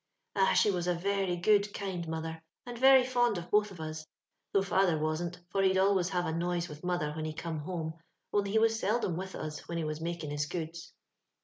'* Ah ! she was a very good, kind mother, and veiy fond of botli of us ; though father wasn't, for He'd always have a noise with mother when he come home, only he was seldom with us when he was making his goods.